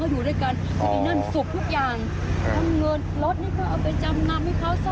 เพราะเขาบอกว่าเขาไม่ยอมเขาไม่ขอโทษ